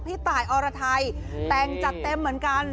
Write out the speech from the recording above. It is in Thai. พี่ตายอรไทยแต่งจัดเต็มเหมือนกัน